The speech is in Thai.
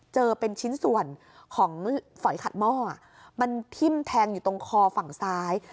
เจอเป็นชิ้นส่วนของฝอยขัดหม้อมันทิ้มแทงอยู่ตรงคอฝั่งซ้าย